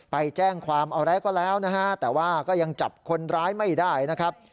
ไปแจ้งความเอาอะไรก็แล้วนะฮะแต่ว่าก็ยังจับคนร้ายไม่ได้นะครับ